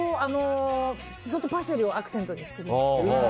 シソとパセリをアクセントにしています。